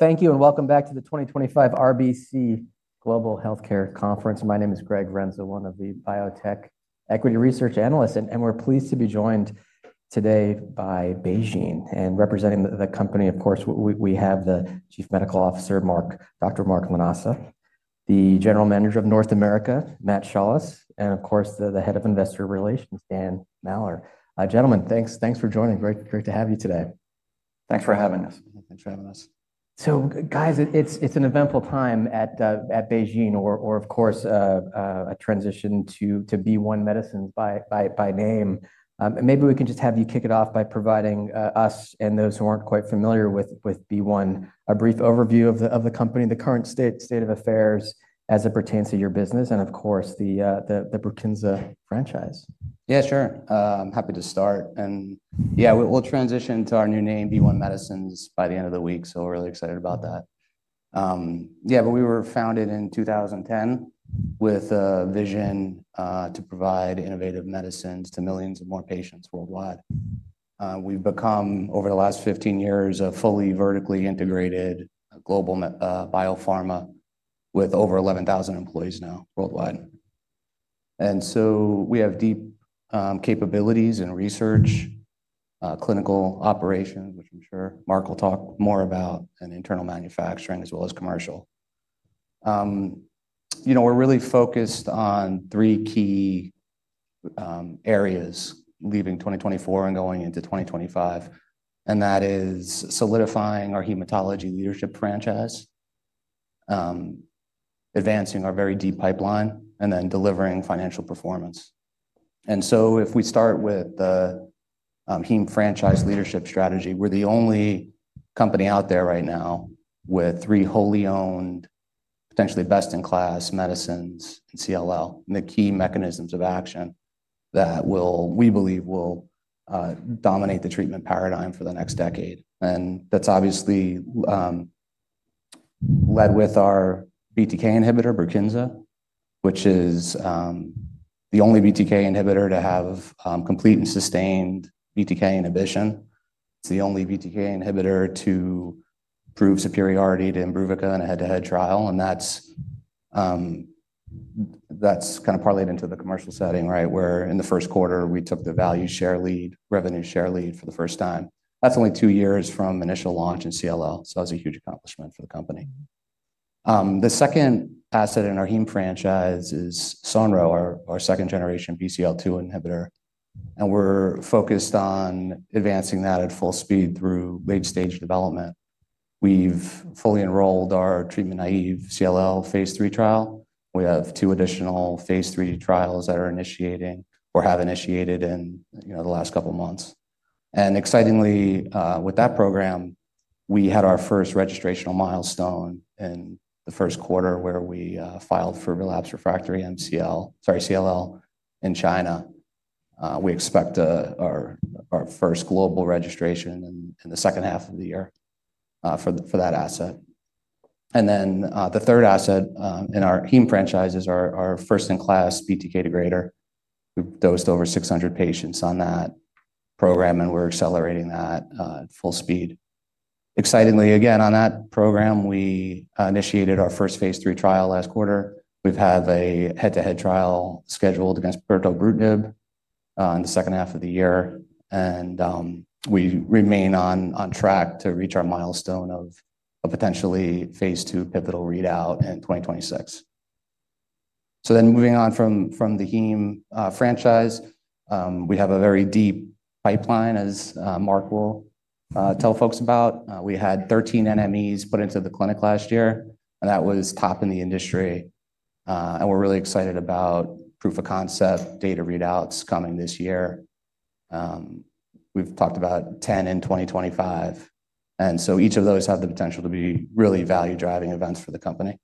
Thank you, and welcome back to the 2025 RBC Global Healthcare Conference. My name is Greg Renzo, one of the biotech equity research analysts, and we're pleased to be joined today by BeiGene. Representing the company, of course, we have the Chief Medical Officer, Dr. Mark Lanasa, the General Manager of North America, Matt Shaulis, and, of course, the Head of Investor Relations, Dan Maller. Gentlemen, thanks for joining. Great to have you today. Thanks for having us. Thanks for having us. Guys, it's an eventful time at BeiGene, or of course, a transition to BeOne Medicines by name. Maybe we can just have you kick it off by providing us, and those who aren't quite familiar with BeOne, a brief overview of the company, the current state of affairs as it pertains to your business, and of course, the BRKINZA franchise. Yeah, sure. I'm happy to start. Yeah, we'll transition to our new name, BeOne Medicines, by the end of the week, so we're really excited about that. Yeah, we were founded in 2010 with a vision to provide innovative medicines to millions of more patients worldwide. We've become, over the last 15 years, a fully vertically integrated global biopharma with over 11,000 employees now worldwide. We have deep capabilities in research, clinical operations, which I'm sure Mark will talk more about, and internal manufacturing, as well as commercial. You know, we're really focused on three key areas leaving 2024 and going into 2025, and that is solidifying our hematology leadership franchise, advancing our very deep pipeline, and then delivering financial performance. If we start with the heme franchise leadership strategy, we're the only company out there right now with three wholly owned, potentially best-in-class medicines in CLL, and the key mechanisms of action that we believe will dominate the treatment paradigm for the next decade. That's obviously led with our BTK inhibitor, BRKINZA, which is the only BTK inhibitor to have complete and sustained BTK inhibition. It's the only BTK inhibitor to prove superiority to Imbruvica in a head-to-head trial. That has kind of parlayed into the commercial setting, right, where in the first quarter, we took the value share lead, revenue share lead for the first time. That's only two years from initial launch in CLL, so that's a huge accomplishment for the company. The second asset in our heme franchise is Sonro, our second-generation BCL2 inhibitor, and we're focused on advancing that at full speed through late-stage development. We've fully enrolled our treatment-naive CLL phase three trial. We have two additional phase three trials that are initiating or have initiated in the last couple of months. Excitingly, with that program, we had our first registrational milestone in the first quarter where we filed for relapsed refractory MCL, sorry, CLL in China. We expect our first global registration in the second half of the year for that asset. The third asset in our heme franchise is our first-in-class BTK degrader. We've dosed over 600 patients on that program, and we're accelerating that at full speed. Excitingly, again, on that program, we initiated our first phase three trial last quarter. We've had a head-to-head trial scheduled against pirtobrutinib in the second half of the year, and we remain on track to reach our milestone of a potentially phase two pivotal readout in 2026. Moving on from the heme franchise, we have a very deep pipeline, as Mark will tell folks about. We had 13 NMEs put into the clinic last year, and that was top in the industry. We're really excited about proof of concept data readouts coming this year. We've talked about 10 in 2025. Each of those have the potential to be really value-driving events for the company.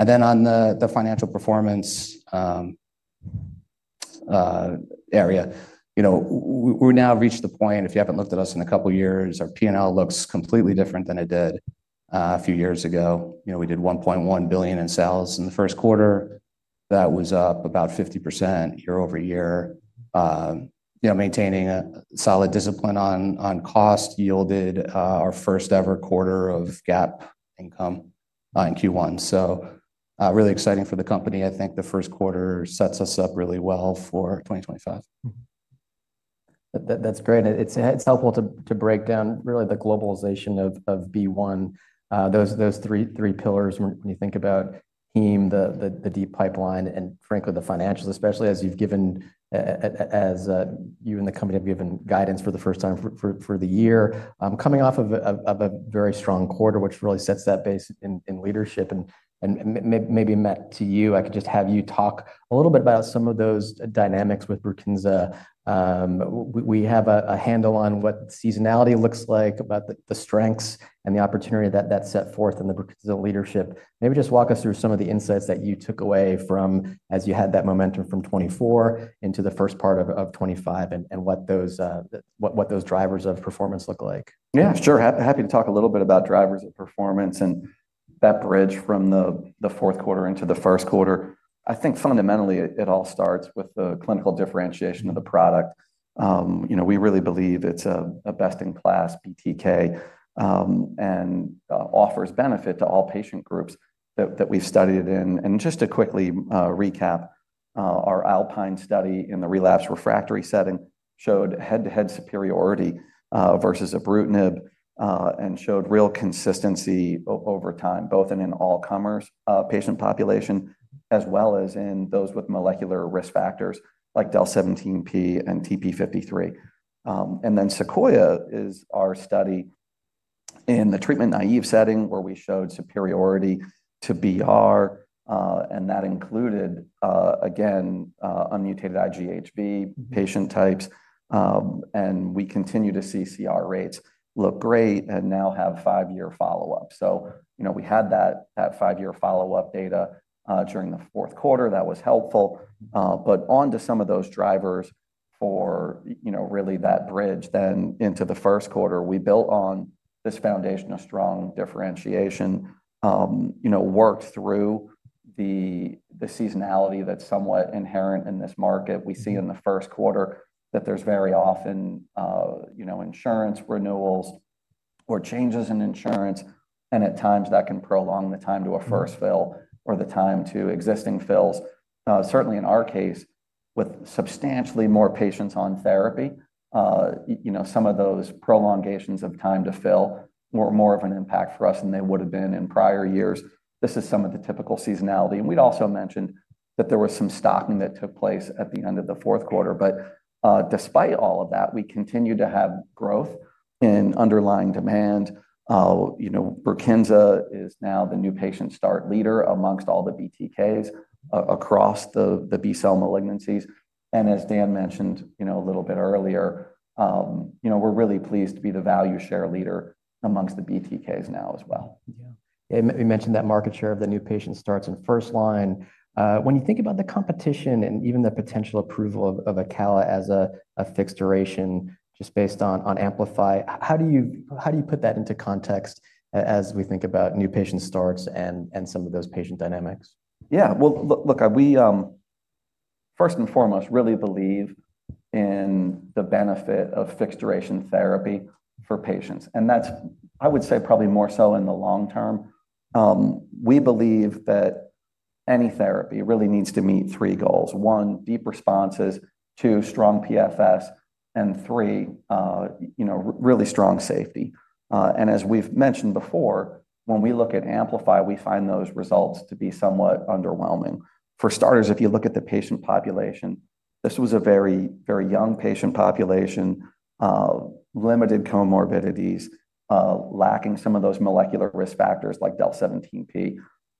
In the financial performance area, you know, we've now reached the point, if you haven't looked at us in a couple of years, our P&L looks completely different than it did a few years ago. You know, we did $1.1 billion in sales in the first quarter. That was up about 50% year over year, you know, maintaining a solid discipline on cost yielded our first-ever quarter of GAAP income in Q1. So really exciting for the company. I think the first quarter sets us up really well for 2025. That's great. It's helpful to break down really the globalization of BeOne, those three pillars when you think about heme, the deep pipeline, and frankly, the financials, especially as you've given, as you and the company have given guidance for the first time for the year. Coming off of a very strong quarter, which really sets that base in leadership, and maybe, Mark, to you, I could just have you talk a little bit about some of those dynamics with BRKINZA. We have a handle on what seasonality looks like, about the strengths and the opportunity that's set forth in the BRKINZA leadership. Maybe just walk us through some of the insights that you took away from, as you had that momentum from 2024 into the first part of 2025, and what those drivers of performance look like. Yeah, sure. Happy to talk a little bit about drivers of performance and that bridge from the fourth quarter into the first quarter. I think fundamentally, it all starts with the clinical differentiation of the product. You know, we really believe it's a best-in-class BTK and offers benefit to all patient groups that we've studied. And just to quickly recap, our ALPINE study in the relapse refractory setting showed head-to-head superiority versus Imbruvica and showed real consistency over time, both in an all-comers patient population as well as in those with molecular risk factors like DEL17P and TP53. Sequoia is our study in the treatment-naive setting where we showed superiority to BR, and that included, again, unmutated IgHV patient types. We continue to see CR rates look great and now have five-year follow-up. You know, we had that five-year follow-up data during the fourth quarter. That was helpful. On to some of those drivers for, you know, really that bridge then into the first quarter, we built on this foundation of strong differentiation, you know, worked through the seasonality that's somewhat inherent in this market. We see in the first quarter that there's very often, you know, insurance renewals or changes in insurance, and at times that can prolong the time to a first fill or the time to existing fills. Certainly, in our case, with substantially more patients on therapy, you know, some of those prolongations of time to fill were more of an impact for us than they would have been in prior years. This is some of the typical seasonality. We also mentioned that there was some stocking that took place at the end of the fourth quarter. Despite all of that, we continue to have growth in underlying demand. You know, BRKINZA is now the new patient start leader amongst all the BTKs across the B-cell malignancies. And as Dan mentioned, you know, a little bit earlier, you know, we're really pleased to be the value share leader amongst the BTKs now as well. Yeah. You mentioned that market share of the new patient starts in first line. When you think about the competition and even the potential approval of Acala as a fixed duration just based on Amplify, how do you put that into context as we think about new patient starts and some of those patient dynamics? Yeah. Look, we first and foremost really believe in the benefit of fixed duration therapy for patients. That's, I would say, probably more so in the long term. We believe that any therapy really needs to meet three goals: one, deep responses; two, strong PFS; and three, you know, really strong safety. As we've mentioned before, when we look at Amplify, we find those results to be somewhat underwhelming. For starters, if you look at the patient population, this was a very, very young patient population, limited comorbidities, lacking some of those molecular risk factors like DEL17P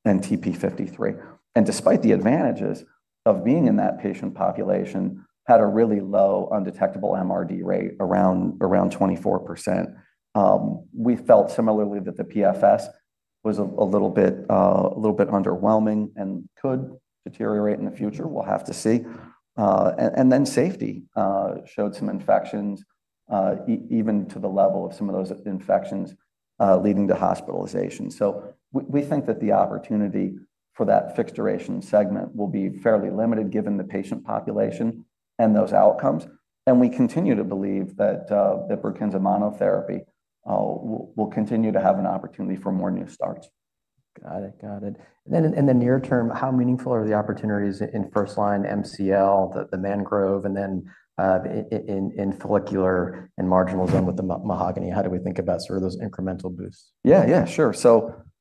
and TP53. Despite the advantages of being in that patient population, it had a really low undetectable MRD rate around 24%. We felt similarly that the PFS was a little bit underwhelming and could deteriorate in the future. We'll have to see. Safety showed some infections, even to the level of some of those infections leading to hospitalization. We think that the opportunity for that fixed duration segment will be fairly limited given the patient population and those outcomes. We continue to believe that BRKINZA monotherapy will continue to have an opportunity for more new starts. Got it. Got it. In the near term, how meaningful are the opportunities in first line MCL, the Mangrove, and then in follicular and marginal zone with the Mahogany? How do we think about sort of those incremental boosts? Yeah, yeah, sure.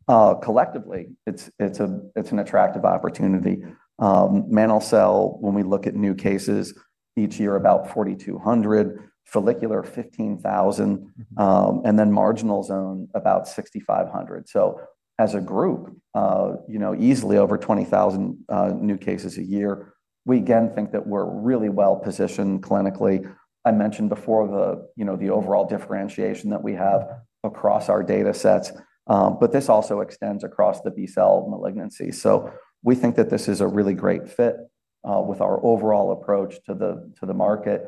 Collectively, it's an attractive opportunity. Mantle cell, when we look at new cases each year, about 4,200; follicular, 15,000; and then marginal zone, about 6,500. As a group, you know, easily over 20,000 new cases a year. We again think that we're really well positioned clinically. I mentioned before the, you know, the overall differentiation that we have across our data sets, but this also extends across the B-cell malignancy. We think that this is a really great fit with our overall approach to the market.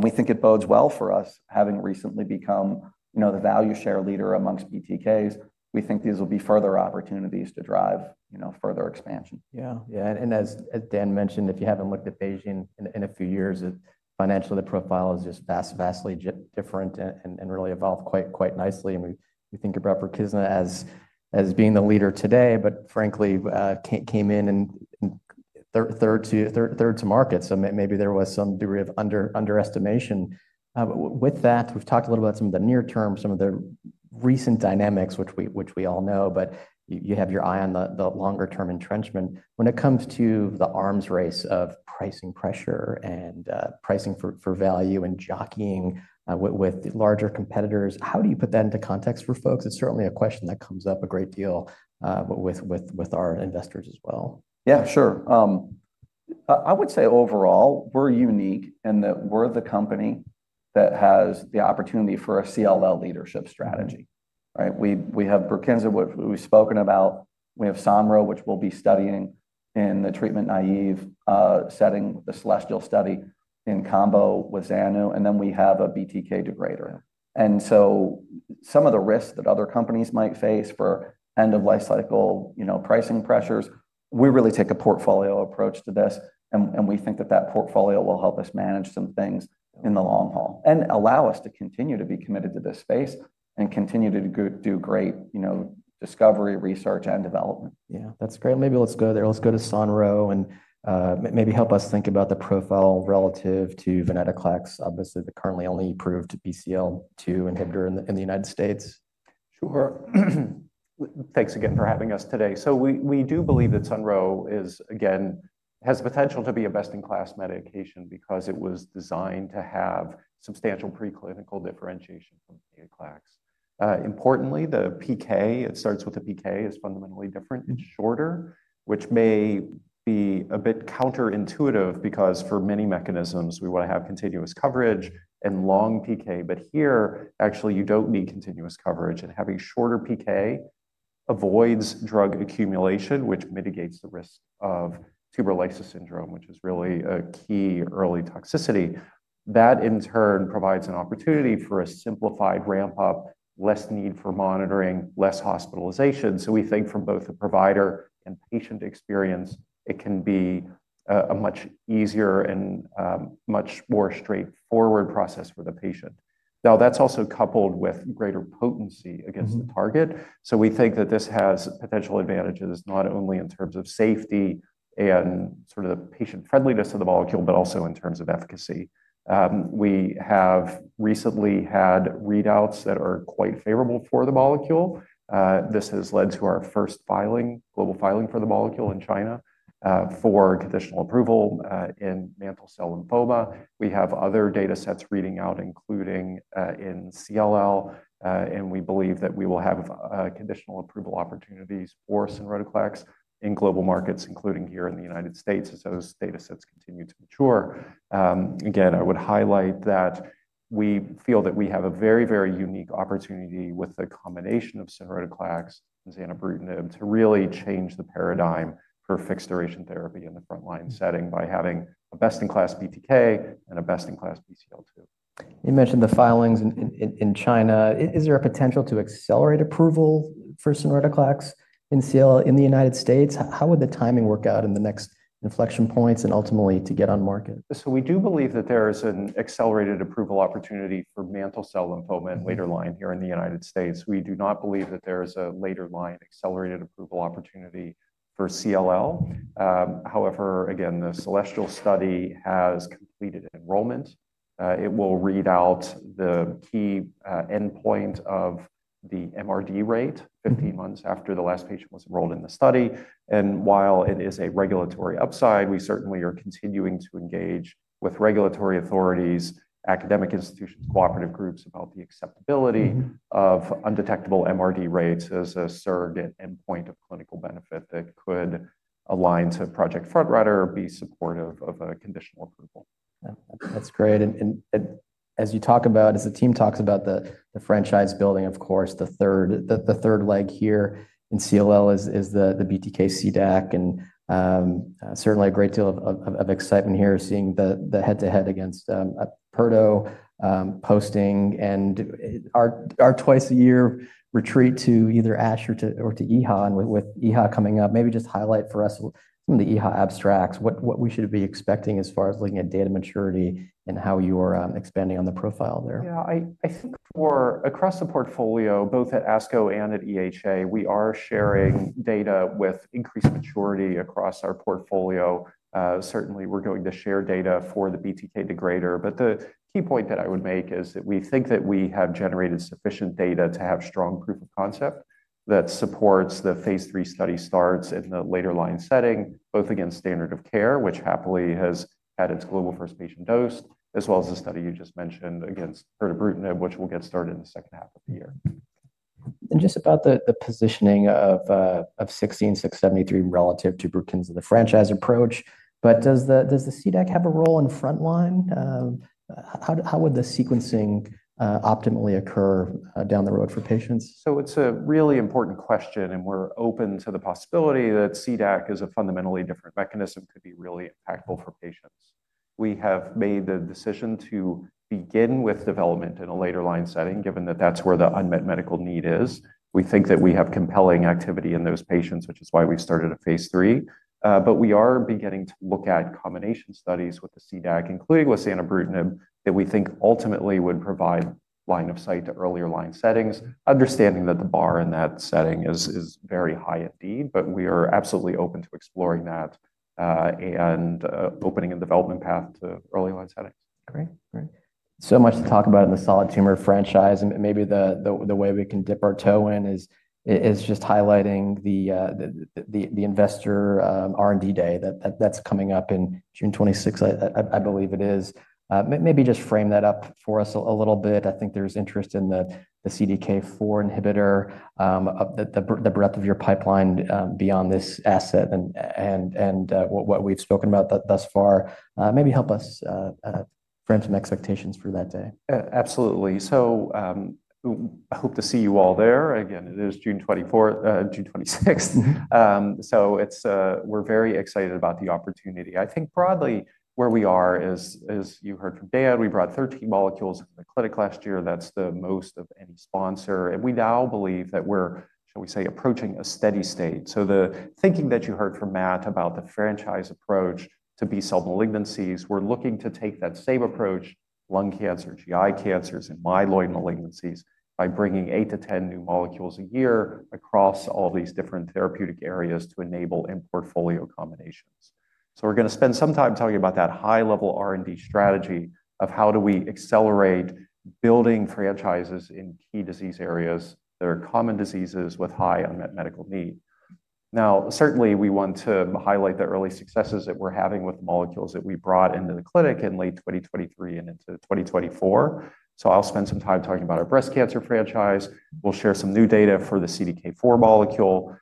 We think it bodes well for us, having recently become, you know, the value share leader amongst BTKs. We think these will be further opportunities to drive, you know, further expansion. Yeah. Yeah. As Dan mentioned, if you haven't looked at BeOne Medicines in a few years, financially, the profile is just vastly different and really evolved quite nicely. We think about BRKINZA as being the leader today, but frankly, came in third to market. Maybe there was some degree of underestimation. With that, we've talked a little bit about some of the near term, some of the recent dynamics, which we all know, but you have your eye on the longer-term entrenchment. When it comes to the arms race of pricing pressure and pricing for value and jockeying with larger competitors, how do you put that into context for folks? It's certainly a question that comes up a great deal with our investors as well. Yeah, sure. I would say overall, we're unique in that we're the company that has the opportunity for a CLL leadership strategy, right? We have BRKINZA, which we've spoken about. We have Sonro, which we'll be studying in the treatment-naive setting, the celestial study in combo with Xanu, and then we have a BTK degrader. Some of the risks that other companies might face for end-of-life cycle, you know, pricing pressures, we really take a portfolio approach to this, and we think that that portfolio will help us manage some things in the long haul and allow us to continue to be committed to this space and continue to do great, you know, discovery, research, and development. Yeah. That's great. Maybe let's go there. Let's go to Sonro and maybe help us think about the profile relative to Venetoclax, obviously the currently only approved BCL2 inhibitor in the United States. Sure. Thanks again for having us today. We do believe that Sonro is, again, has the potential to be a best-in-class medication because it was designed to have substantial preclinical differentiation from Venetoclax. Importantly, the PK, it starts with a PK, is fundamentally different. It's shorter, which may be a bit counterintuitive because for many mechanisms, we want to have continuous coverage and long PK. Here, actually, you don't need continuous coverage, and having shorter PK avoids drug accumulation, which mitigates the risk of tumor lysis syndrome, which is really a key early toxicity. That, in turn, provides an opportunity for a simplified ramp-up, less need for monitoring, less hospitalization. We think from both the provider and patient experience, it can be a much easier and much more straightforward process for the patient. That's also coupled with greater potency against the target. We think that this has potential advantages not only in terms of safety and sort of the patient friendliness of the molecule, but also in terms of efficacy. We have recently had readouts that are quite favorable for the molecule. This has led to our first global filing for the molecule in China for conditional approval in mantle cell lymphoma. We have other data sets reading out, including in CLL, and we believe that we will have conditional approval opportunities for sonrotoclax in global markets, including here in the United States, as those data sets continue to mature. Again, I would highlight that we feel that we have a very, very unique opportunity with the combination of sonrotoclax and zanubrutinib to really change the paradigm for fixed duration therapy in the front line setting by having a best-in-class BTK and a best-in-class BCL2. You mentioned the filings in China. Is there a potential to accelerate approval for sonrotoclax in the United States? How would the timing work out in the next inflection points and ultimately to get on market? We do believe that there is an accelerated approval opportunity for mantle cell lymphoma in later line here in the United States. We do not believe that there is a later line accelerated approval opportunity for CLL. However, again, the Celestial study has completed enrollment. It will read out the key endpoint of the MRD rate 15 months after the last patient was enrolled in the study. While it is a regulatory upside, we certainly are continuing to engage with regulatory authorities, academic institutions, cooperative groups about the acceptability of undetectable MRD rates as a surrogate endpoint of clinical benefit that could align to Project Front Runner, be supportive of a conditional approval. That's great. As you talk about, as the team talks about the franchise building, of course, the third leg here in CLL is the BTK CDAC, and certainly a great deal of excitement here seeing the head-to-head against Pirtobrutinib posting and our twice-a-year retreat to either ASH or to EHA, with EHA coming up. Maybe just highlight for us some of the EHA abstracts, what we should be expecting as far as looking at data maturity and how you are expanding on the profile there. Yeah. I think for across the portfolio, both at ASCO and at EHA, we are sharing data with increased maturity across our portfolio. Certainly, we are going to share data for the BTK degrader. The key point that I would make is that we think that we have generated sufficient data to have strong proof of concept that supports the phase three study starts in the later line setting, both against standard of care, which happily has had its global first patient dose, as well as the study you just mentioned against Pirtobrutinib, which will get started in the second half of the year. Just about the positioning of 16673 relative to BRKINZA, the franchise approach, but does the CDAC have a role in front line? How would the sequencing optimally occur down the road for patients? It's a really important question, and we're open to the possibility that CDAC as a fundamentally different mechanism could be really impactful for patients. We have made the decision to begin with development in a later line setting, given that that's where the unmet medical need is. We think that we have compelling activity in those patients, which is why we started a phase three. We are beginning to look at combination studies with the CDAC, including with zanubrutinib, that we think ultimately would provide line of sight to earlier line settings, understanding that the bar in that setting is very high indeed, but we are absolutely open to exploring that and opening a development path to early line settings. Great. Great. So much to talk about in the solid tumor franchise. Maybe the way we can dip our toe in is just highlighting the investor R&D day that's coming up in June 26th, I believe it is. Maybe just frame that up for us a little bit. I think there's interest in the CDK4 inhibitor, the breadth of your pipeline beyond this asset and what we've spoken about thus far. Maybe help us frame some expectations for that day. Absolutely. I hope to see you all there. Again, it is June 24th, June 26th. We are very excited about the opportunity. I think broadly where we are, as you heard from Dan, we brought 13 molecules to the clinic last year. That is the most of any sponsor. We now believe that we are, shall we say, approaching a steady state. The thinking that you heard from Mark about the franchise approach to B-cell malignancies, we are looking to take that same approach, lung cancer, GI cancers, and myeloid malignancies, by bringing eight to ten new molecules a year across all these different therapeutic areas to enable in portfolio combinations. We are going to spend some time talking about that high-level R&D strategy of how do we accelerate building franchises in key disease areas that are common diseases with high unmet medical need. Now, certainly, we want to highlight the early successes that we're having with the molecules that we brought into the clinic in late 2023 and into 2024. I'll spend some time talking about our breast cancer franchise. We'll share some new data for the CDK4 molecule,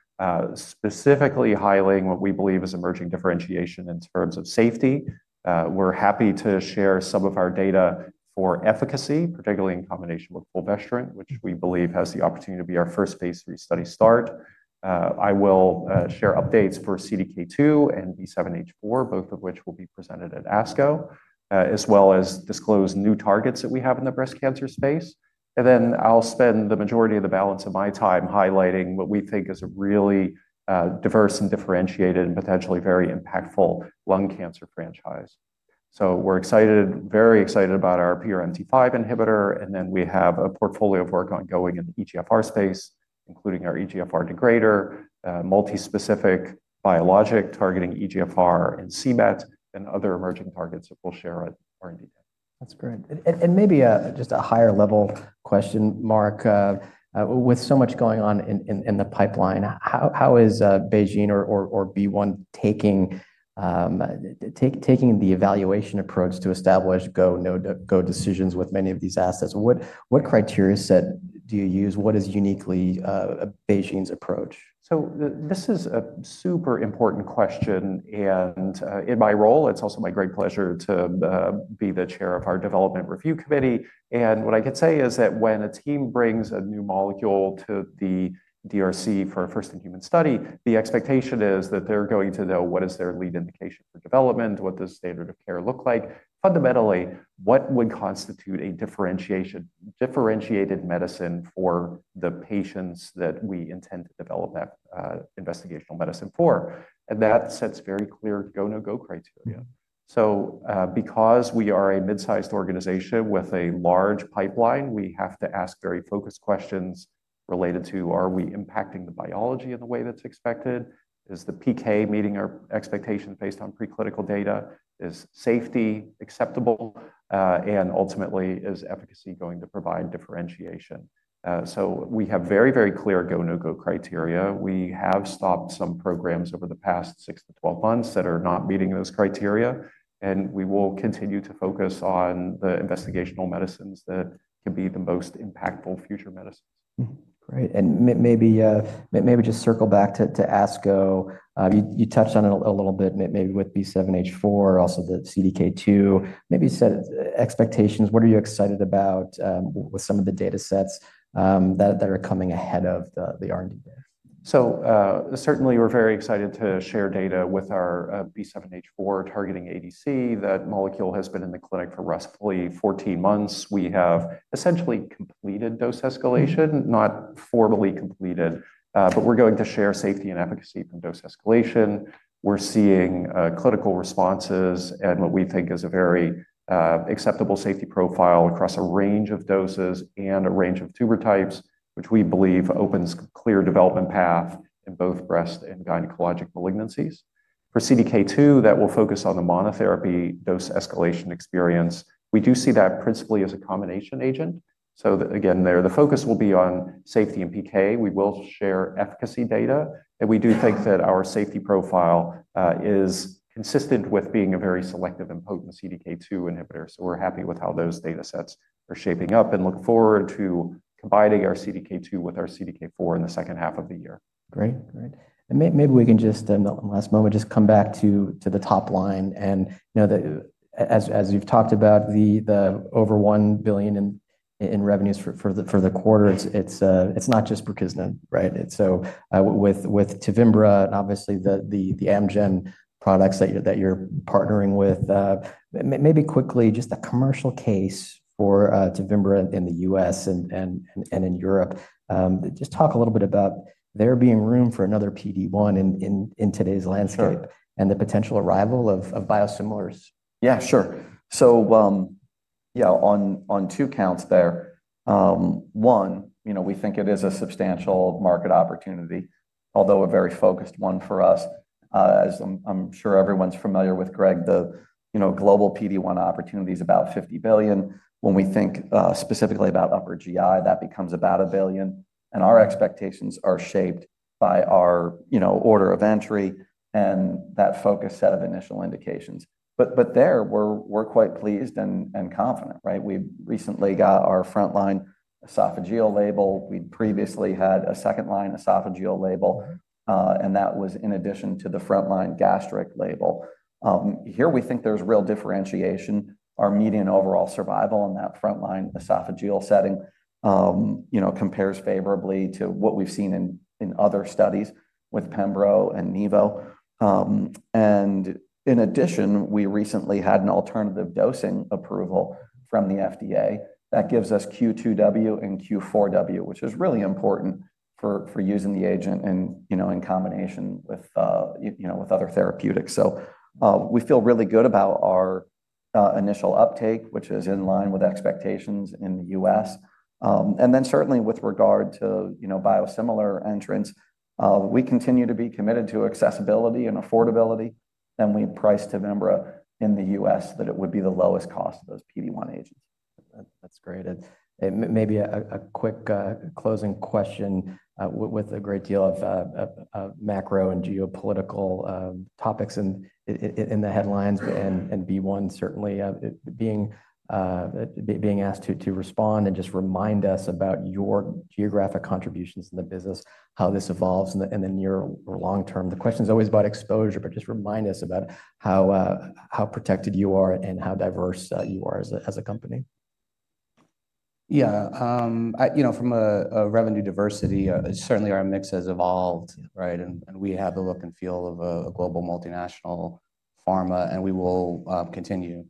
specifically highlighting what we believe is emerging differentiation in terms of safety. We're happy to share some of our data for efficacy, particularly in combination with fulvestrant, which we believe has the opportunity to be our first phase three study start. I will share updates for CDK2 and B7H4, both of which will be presented at ASCO, as well as disclose new targets that we have in the breast cancer space. I'll spend the majority of the balance of my time highlighting what we think is a really diverse and differentiated and potentially very impactful lung cancer franchise. We're excited, very excited about our PRMT5 inhibitor. And then we have a portfolio of work ongoing in the EGFR space, including our EGFR degrader, multi-specific biologic targeting EGFR and CMET, and other emerging targets that we'll share at R&D day. That's great. Maybe just a higher-level question, Mark. With so much going on in the pipeline, how is BeOne taking the evaluation approach to establish go-no-go decisions with many of these assets? What criteria set do you use? What is uniquely BeiGene's approach? This is a super important question. In my role, it's also my great pleasure to be the Chair of our Development Review Committee. What I can say is that when a team brings a new molecule to the DRC for a first-in-human study, the expectation is that they're going to know what is their lead indication for development, what does standard of care look like. Fundamentally, what would constitute a differentiated medicine for the patients that we intend to develop that investigational medicine for? That sets very clear go-no-go criteria. Because we are a mid-sized organization with a large pipeline, we have to ask very focused questions related to, are we impacting the biology in the way that's expected? Is the PK meeting our expectations based on preclinical data? Is safety acceptable? Ultimately, is efficacy going to provide differentiation? We have very, very clear go-no-go criteria. We have stopped some programs over the past 6-12 months that are not meeting those criteria. We will continue to focus on the investigational medicines that can be the most impactful future medicines. Great. Maybe just circle back to ASCO. You touched on it a little bit, maybe with B7-H4, also the CDK2. Maybe set expectations. What are you excited about with some of the data sets that are coming ahead of the R&D day? Certainly, we're very excited to share data with our B7-H4 targeting ADC. That molecule has been in the clinic for roughly 14 months. We have essentially completed dose escalation, not formally completed, but we're going to share safety and efficacy from dose escalation. We're seeing clinical responses and what we think is a very acceptable safety profile across a range of doses and a range of tumor types, which we believe opens a clear development path in both breast and gynecologic malignancies. For CDK2, that will focus on the monotherapy dose escalation experience. We do see that principally as a combination agent. Again, the focus will be on safety and PK. We will share efficacy data. We do think that our safety profile is consistent with being a very selective and potent CDK2 inhibitor. We're happy with how those data sets are shaping up and look forward to combining our CDK2 with our CDK4 in the second half of the year. Great. Great. Maybe we can just, in the last moment, just come back to the top line. As you've talked about the over $1 billion in revenues for the quarter, it's not just BRUKINSA, right? With Tevimbra, obviously the Amgen products that you're partnering with, maybe quickly just a commercial case for Tivimbra in the U.S. and in Europe. Just talk a little bit about there being room for another PD-1 in today's landscape and the potential arrival of biosimilars. Yeah, sure. Yeah, on two counts there. One, we think it is a substantial market opportunity, although a very focused one for us. As I'm sure everyone's familiar with, Greg, the global PD-1 opportunity is about $50 billion. When we think specifically about upper GI, that becomes about $1 billion. Our expectations are shaped by our order of entry and that focused set of initial indications. There, we're quite pleased and confident, right? We recently got our front line esophageal label. We previously had a second line esophageal label. That was in addition to the front line gastric label. Here, we think there's real differentiation. Our median overall survival in that front line esophageal setting compares favorably to what we've seen in other studies with Pembro and Nivo. In addition, we recently had an alternative dosing approval from the FDA that gives us Q2W and Q4W, which is really important for using the agent in combination with other therapeutics. We feel really good about our initial uptake, which is in line with expectations in the U.S. Certainly with regard to biosimilar entrants, we continue to be committed to accessibility and affordability. We price Tivimbra in the U.S. so that it would be the lowest cost of those PD-1 agents. That's great. Maybe a quick closing question with a great deal of macro and geopolitical topics in the headlines and BeOne Medicines certainly being asked to respond and just remind us about your geographic contributions in the business, how this evolves in the near or long term. The question's always about exposure, but just remind us about how protected you are and how diverse you are as a company. Yeah. You know, from a revenue diversity, certainly our mix has evolved, right? We have the look and feel of a global multinational pharma, and we will continue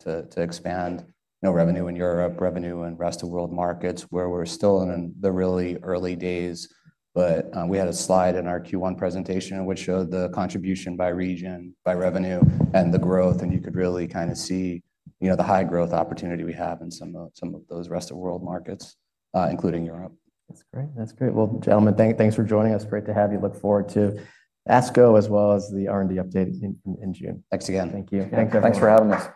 to expand revenue in Europe, revenue in rest of world markets where we're still in the really early days. We had a slide in our Q1 presentation which showed the contribution by region, by revenue, and the growth. You could really kind of see the high growth opportunity we have in some of those rest of world markets, including Europe. That's great. That's great. Gentlemen, thanks for joining us. Great to have you. Look forward to ASCO as well as the R&D update in June. Thanks again. Thank you. Thanks everyone. Thanks for having us.